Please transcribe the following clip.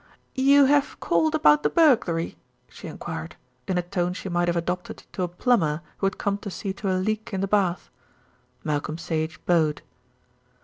"You have called about the burglary?" she enquired, in a tone she might have adopted to a plumber who had come to see to a leak in the bath. Malcolm Sage bowed.